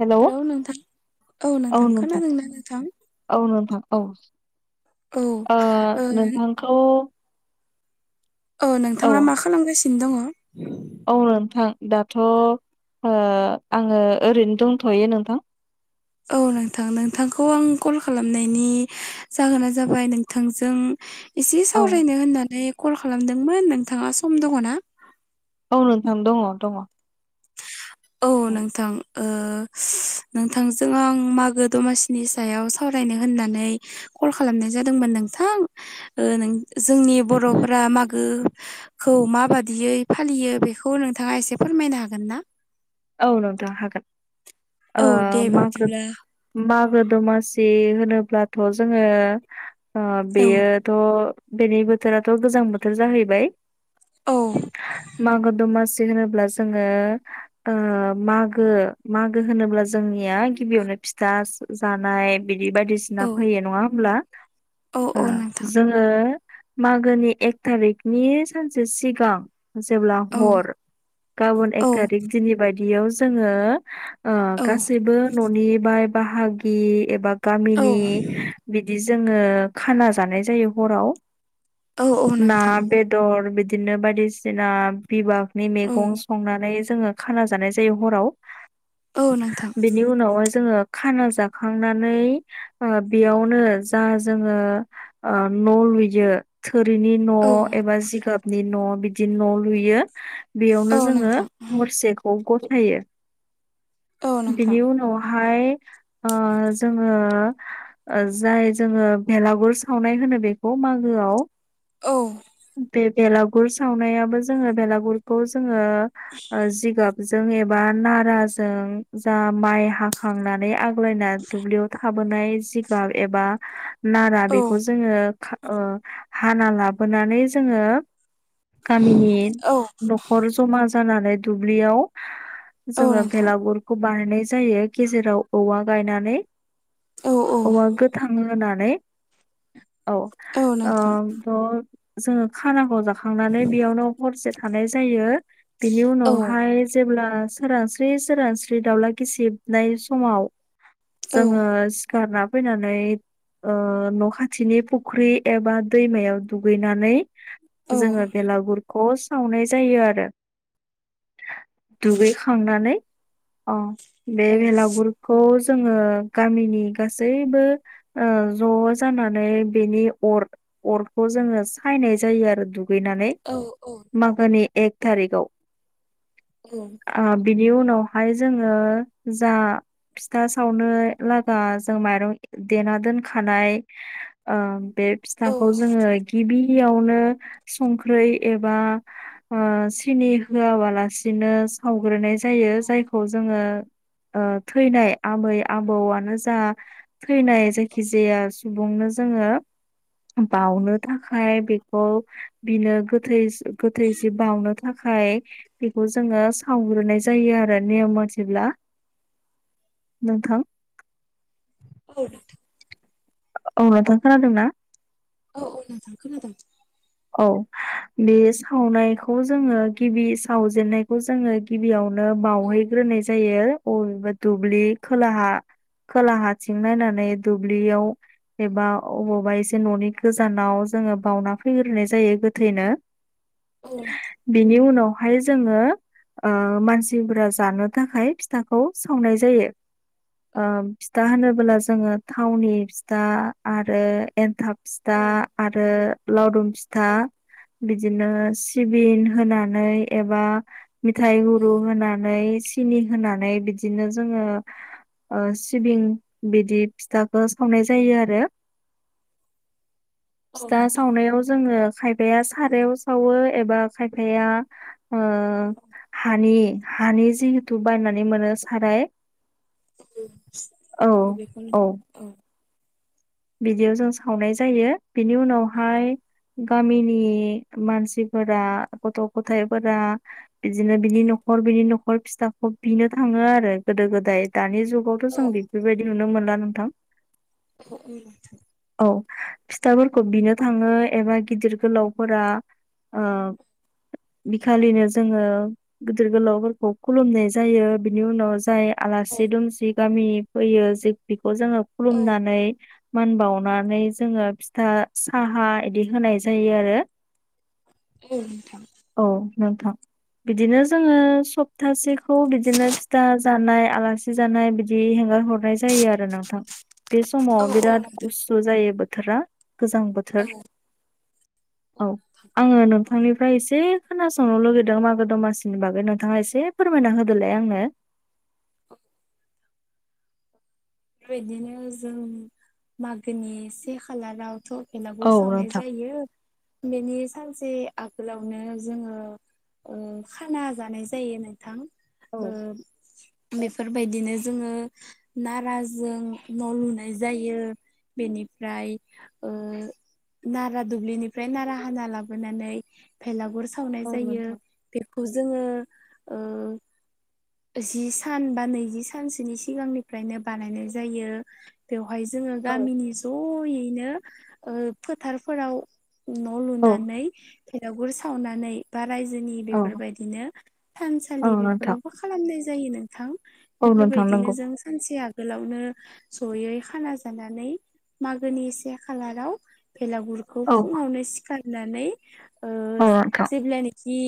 हेल' hello नोंथां औ नोंथां औ नोंथां औ। औ ओ नोंथांखौ। औ नोंथाङा मा खालामगासिनो दङ? औ नोंथां दाथ' आङो ओरैनो दंथ'यो नोंथां। औ नोंथां नोंथांखौ आं कल खालामनायनि जाहोना जाबाय नोंथांजों। एसे औ सावरायनो होननानै कल खालामदोंमोन नोंथाङा सम दङना। औ नोंथां दङ दङ। औ नोंथां। नोंथांजों आं मागो दमासिनि सायाव सावरायनो होननानै कल खालामनाय जादोंमोन नोंथां जोंनि बर'फोरा मागो। खौ माबादियै फालियो बेखौ नोंथाङा एसे फोरमायनो हागोन। औ नोंथां औ दे हागोन मागो बिब्दिब्ला मागो दमासि होनोब्लाथ' जोङो औ बेयो। थ' बेनि बोथोराथ' गोजां बोथोर जाहैबाय। औ मागो दमासि होनोब्ला जोङो। मागो मागो होनोब्ला जोंनिया गिबियावनो फिथा जानाय बिदि औ बायदिसिना फैयो नङा होमब्ला। औ ओ औ नोंथां। जोङो मागोनि एक थारिकनि सानसे सिगां जेब्ला औ हर गाबोन एक औ थारिख दिनै बायदियाव जोङो। औ गासैबो न'नि बाय बाहागि एबा औ गामिनि बिदि जोङो खाना जानाय जायो हराव औ ना नोंथां बे। बेदर बिदिनो बायदिसिना बिबागनि औ मैगं संनानै जोङो। खाना जानाय जायो हराव औ नोंथां बेनि उनाव। उनावहाय जोङो खाना जाखांनानै बेयावनो जा जोङो न' लुयो। थोरिनि न' औ एबा जिगाबनि न' बिदि न' लुयो बेयावनो औ जोङो नोंथां जेखौ गथायो औ नोंथां बिनि उनावहाय ओ जोङो ओ जाय जोङो बेलागुर सावनाय होनो बेखौ मागोआव। औ बे बेलागुर सावनायाबो जोङो बेलागुरखौ जोङो ओ जिगाबजों एबा नाराजों जा माइ हाखांनानै आ गलायना दुब्लियाव थाबोनाय जिगाब एबा नारा औ बेखौ जोङो खा ओ हाना लाबोनानै जोङो गामिनि औ न' खर जमा जानानै दुब्लियाव औ जोङो नोंथां बेलागुर खौ बानायनाय जायो गेजेराव औवा गायनानै। औ औ औवा गोथां होनानै औ। ओ थ' जोङो खानाखौ जाखांनानै बेयावनो हरसे थानाय जायो बिनि औ उनाव फ्राय जेब्ला सोरांस्रि सोरांस्रि दावउला गिसिबनाय समाव जोङो सिखारना फैनानै ओ न'खाथिनि फुख्रि एबा दैमायाव दुगैनानै औ जोङो बेलागुरखौ सावनाय जायो आरो। दुगैखांनानै अ औ बे बेलागुर खौ जोङो गामिनि गासैबो ओ ज' जानानै बेनि अर अरखौ जोङो सायनाय जायो आरो दुगैनानै औ औ मागोनि एक थारिकआव। औ ओ बिनि उनावहाय जोङो जा फिथा सावनो लागा जों माइरं देना दोनखानाय ओ बे फिथाखौ जोङो गिबि बियावनो संख्रै एबा ओ सिनि होवाबा लासिनो सावग्रोनाय जायो जायखौ जोङो ओ थैनाय आबै आबौआनो जा थैनाय जायखिजाया सुबुंनो जोङो बावनो थाखाय बेखौ बिनो गोथै गोथै जि बउनो थाखाय बेखौ जोङो सावग्रोनाय जायो आरो नेम मथेब्ला नोंथां। औ नोंथां औ नोंथां खोनादों ना? औ औ नोंथां खोनादों। औ बे सावनायखौ जोङो गिबि सावजेननाय खौ जोङो गिबियावनो औ बावहैग्रोनाय जायो। अबेबा औ दुब्लि खोलाहा खोलाहााथिं नायनानै दुब्लियाव एबा अबावबा एसे न'नि गोजानाव जोङो बावउना फैग्रोनाय जायो गोथैनो। औ नोंथां बिनि उनावहाय जोङो ओ मानसिफोरा जानो थाखाय फिथाखौ सावनाय जायो। ओ फिथा होनोबोला जोङो थावनि फिथा आरो एन्थाब फिथा औ आरो लावदुम औ फिथा बिदिनो सिबिन होनानै एबा मिथाइ गुरु होनानै [unintelligible] होनानै बिदिनो जोङो ओ सिबिं बिदि फिथाखौ सावनाय जायोआरो। [inaudible] फिथा नोंथां सावनायाव जोङो खायफाया सारायाव सावो एबा खायफाया ओ हानि हानि जिहेथु बायनानै मोनो साराय औ औ [unintelligible] बिदियाव जों सावनाय जायो बिनि उनावहाय गामिनि मानसिफोरा गथ' गथाइफोरा बिदिनो बिनि न'खर बिनि न'खर फिथाखौ बिनो थाङो आरो गोदो गोदाय दानि जु जुगावथ' औ जों बेफोरबायदि नुनो मोनला नोंथां। [inaudible] औ फिथाफोरखौ बिनो थाङो एबा गिदिर गोलावफोरा [unintelligible] बिखालिनो जोङो गिदिर गोलावफोरखौ खुलुमनाय जायो बिनि उनाव जाय औ आलासि दुमसि गामिनि फैयो जे बेखौ जोङो औ खुलुमनानै मान बावनानै जोङो फिथा साहा इदि होनाय जायो आरो। [unintelligible] औ नोंथां बिदिनो जोङो सप्तासेखौ बिदिनो फिथा जानाय आलासि जानाय बिदि हेंगार हरनाय जायो आरो नोंथां बे समाव। औ औ बिराद नोंथां गुसु जायो बोथोरा गोजां बोथोर। [inaudible] औ। आङो नोंथांनिफ्राय एसे खोनासंनो लुगैदों मागो दमासिनि बागै नोंथाङा एसे फोरमायना होदोलाय आंनो। [unintelligible] जों मागोनि से खालारावथ' भेलागुर औ सावनाय नोंथां। जायो बेनि सानसे आगोलावनो जोङो ओ खाना जानाय जायो नोंथां। औ ओ बेफोरबायदिनो जोङो नारा जो जों न' लुनाय जायो बेनिफ्राय ओ नारा दुब्लिनिफ्राय नारा हाना लाबोनानै भेलागुर सावनाय औ जायो नोंथां बेखौ जोङो ओ जि सान बा नैजि सानसोनि सिगांनिफ्रायनो बानायनाय जायो। बेवहाय जोङो औ। गामिनि जयैनो ओ फोथारफोराव न' औ लुनानै भेलागुर सावनानै बा रायजोनि औ बेफोरबायदिनो औ थानसालि नोंथां बेफोरावबो खालामनाय जायो नोंथां। औ नोंथां बेफोरबायदिनो नंगौ जों सानसे आगोलावनो जयै खाना जानानै मागोनि से खालाराव भेलागुर खौ औ फुङावनो सिखारनानै ओ औ नोंथां जेब्लानि जि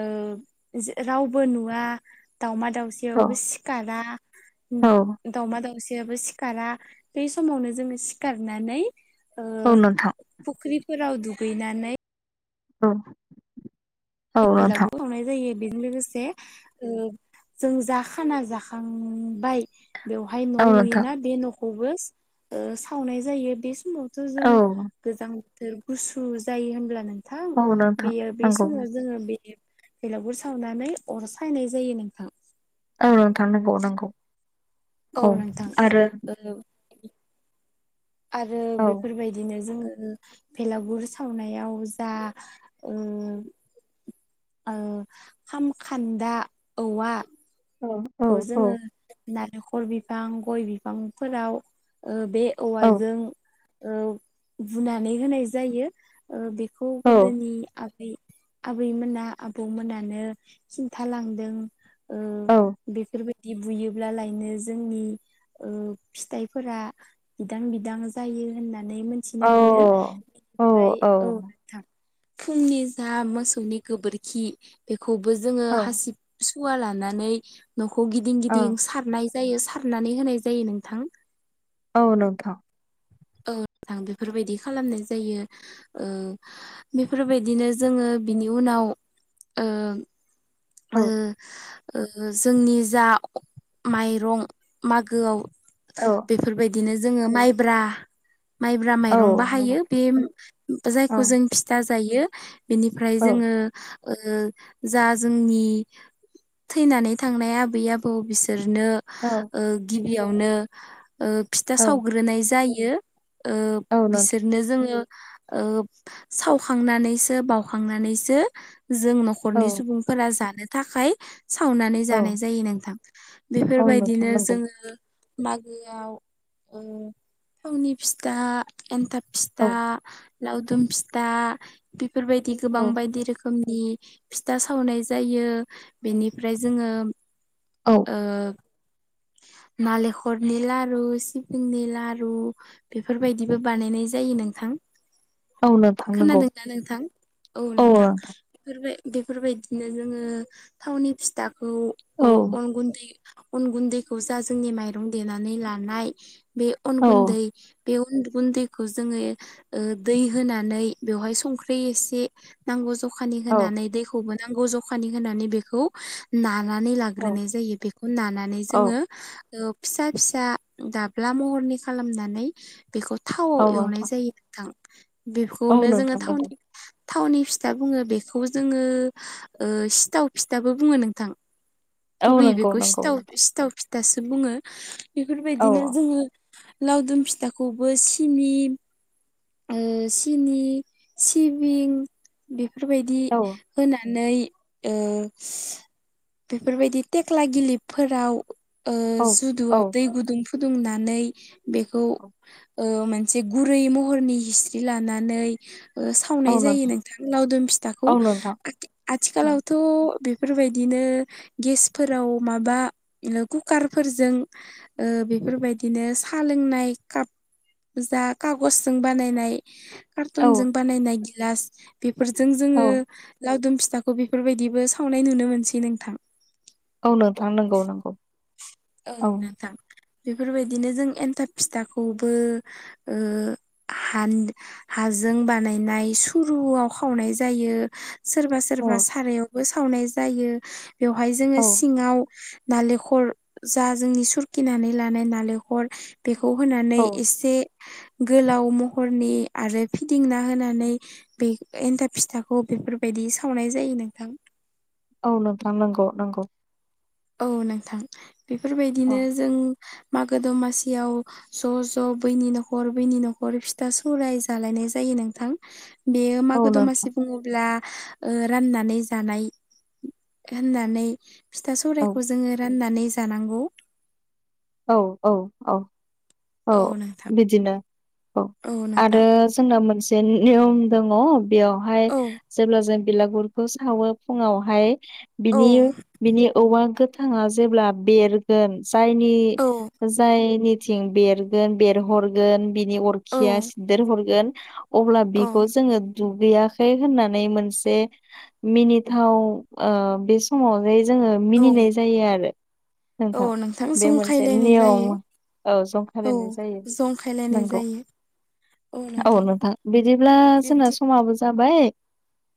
ओ जे रावबो नुवा दावमा औ दाउसायावबो सिखारा औ दावमा दाउसायाबो सि [unintelligible] बै समावनो जोङो सिखारनानै ओ औ नोंथां फुख्रिफोराव दुगैनानै औ औ नोंथां भेलागुर सावनाय जायो। बेजों लोगोसे जों जा खाना जाखांबाय। बेवहाय न' औ नोंथां लुयोना बे न'खौबो ओ सावनाय जायो बे बे समावथ' जों औ गोजां बोथोर गुसु जायो होनब्लानो। थां औ नोंथां बियो बि नंगौ समाव। जोङो बे बेलावगुर सावनानै अर सायनाय जायो नोंथां। औ नोंथां नंगौ नंगौ औ आरो। ओ आरो औ बेफोरबायदि। बिदिनो जोङो भेलागुर सावनायाव जा ओ ओ खामखान्दा औवा। औ औ औ जोङो नालेंखर बिफां गय बिफांफोराव बे औ औवाजों ओ बुनानै होनाय जायो। ओ बेखौ औ गोदोनि आबै आबैमोना आबौमोनानो खिन्थालांदों ओ औ बेफोरबायदि बुयोब्लालायनो जोंनि ओ फिथाइफोरा बिदां बिदां जायो होननानै मिथिनो औ मोनो बेनिफ्राय औ नोंथां फुंनि जा मोसौनि गोबोरखि बेखौबो जोङो हासिब सुवा लानानै न'खौ गिदिं औ गिदिं सारनाय जायो सारनानै होनाय जायो नोंथां औ नोंथां गोथां बेफोरबायदि खालामनाय जायो बेफोरबायदिनो जोङो बिनि उनाव ओ ओ औ ओ जोंनि जा माइरं मागोआव औ बेफोरबायदिनो जोङो माइब्रा माइब्रा औ माइरं नंगौ बाहायो बे औ जायखौ जों फिथा जायो। बेनिफ्राय औ जोङो ओ जा जोंनि थैनानै थांनाय आबै आबौमोना बिसोरनो औ ओ गिबियावनो फिथा औ सावग्रोनाय जायो। ओ औ नोंथां बिसोरनो जोङो ओ सावखांनानैसो बावखांनानैसो जों औ न'खरनि सुबुंफोरा जानो थाखाय सावनानै औ जानाय जायो नोंथां औ नोंथां बेफोरबायदिनो नंगौ जोङो मागोआव थावनि फिथा एन्थाब औ फिथा लावदुम फिथा बेफोरबायदि बिदि औ गोबां बायदि रोखोमनि फिथा सावनाय जायो बेनिफ्राय जोङो औ ओ नालेंखरनि लारु सिबिंनि लारु बेफोरबायदिबो बानायनाय जायो नोंथां। औ नोंथां नंगौ खोनादोंना नोंथां औ नोंथां बेफोरबाय बेफोरबायदिनो जोङो थावनि फिथाखौ औ ओ अन गुन्दै अन गुन्दैखौ जा जोंनि माइरं देनानै लानाय बे अन औ गुन्दै बे अन गन्दैखौ जोङो दै होनानै बेवहाय संख्रि एसे नांगौ जखानि होनानै औ दैखौबो नांगौ जखानि होनानै बेखौ नानानै औ लाग्रोनाय जायो बेखौ नानानै औ जोङो फिसा फिसा दाब्ला महरनि खालामनानै बेखौ थावआव औ एवनाय नोंथां जायो नोंथां औ बेखौनो जोङो नोंथां नंगौ थावनि थावनि फिथा बुङो बेखौ जोङो ओ सिथाव फिथाबो बुङो नोंथां औ गुबैयै नंगौ बेखौ नंगौ सिथाव नोंथां सिथाव फिथासो बुङो औ बेफोरबायदिनो जोङो लावदुम फिथ थाखौबो सिनि ओ सिनि सिबिं बेफोरबायदि औ होना नै ओ बेफोरबायदि थेखला गिलिबफोराव ओ औ जिदुआव दै फुदुंनानै बेखौ औ ओ मोनसे गुरै महरनि हिस्रि लानानै सावनाय जायो नोंथां लावदुम फिथाखौ औ नोंथां आ औ आथिखालावथ' बेफोरबायदिनो गेसफोराव माबा कुकारफोरजों ओ बेफोरबायदिनो सा लोंनाय काप जा कागजजों बानायनाय औ कार्टुनजों बानायनाय गिलास बेफोरजों जोङो लावदुम फिथाखौ बेफोरबायदिबो सावनाय नुनो मोनसै नोंथां। औ नोंथां नंगौ नंगौ। औ नोंथां बेफोरबायदिनो जों एन्थाब फिथाखौबो ओ हानदो हाजों बानायनाय सुरुआव खावनाय जायो। सोरबा सोरबा औ सारायावबो सावनाय जायो बेवहाय जोङो औ सिङाव नालेखर जा जोंनि सुरखिनानै लानाय नालेखर बेखौ होनानै औ एसे गोलाव महरनि आरो फिदिंना होनानै बे एन्थाब फिथाखौ बेफोरबायदि सावनाय जायो नोंथां। औ नोंथां नंगौ नंगौ। औ नोंथां बेफोरबायदिनो औ जों मागो दमासियाव ज' ज' बैनि न'खर बैनि न'खर फिथा सौराय जालायनाय जायो नोंथां। बेयो औ मागो नोंथां दमासि बुङोब्ला ओ राननानै जानाय होननानै फिथा सौवरा औ खौ जोङो राननानै जानांगौ। औ औ औ औ बिदिनो औ आरो जोंना मोन से नियम दङ बेयावहाय औ जेब्ला जों बिलागुर खौ सावो फुङावहाय औ बिनि बिनि औवा गोथांङा जेब्ला बेरगोन जायनि औ जायनिथिं बेरगोन बेरहरगोन बिनि औ अरखिया सिदेरहरगोन अब्ला औ बेखौ जोङो दुगैयाखै होननानै मोनसे मिनिथाव ओ बे समावहै जोङो औ मिनिनाय जायो आरो औ नोंथां बे मोन से जंखायलायनाय जायो नियम औ औ जंखालायनाय जायो जंखायलायनाय नंगौ। जायो औ नोंथां बिदिब्ला जोंना बिब्दि समाबो जाबाय।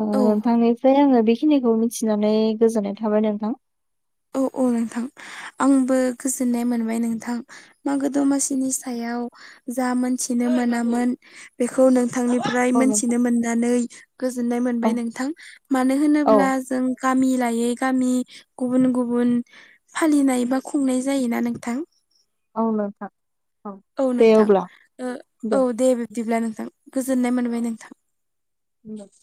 ओ औ नोंथांनिफ्राय आङो बेखिनिखौ मिथिनानै गोजोननाय थाबाय नोंथां। औ औ नोंथां आंबो गोजोननाय मोनबाय नोंथां। मागो दमासिनि सायाव जा मोनथिनो मोनामोन बेखौ नों नोंथांनिफ्राय औ मोनथिनो नोंथां मोननानै गोजोननाय औ मोनबाय नोंथां मानो औ होनोब्ला जों गामि लायै गामि गुबुन गुबुन फालिनाय बा खुंनाय जायोना नोंथां। औ नोंथां। औ दे नोंथां अब्ला औ दे बिब्दिब्ला नोंथां गोजोननाय मोनबाय नोंथां। [inaudible]